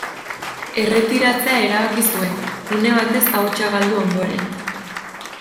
Erretiratzea erabaki zuen, une batez ahotsa galdu ondoren.